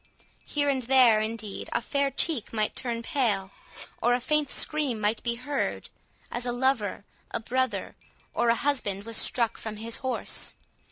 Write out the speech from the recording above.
Here and there, indeed, a fair cheek might turn pale, or a faint scream might be heard, as a lover, a brother, or a husband, was struck from his horse.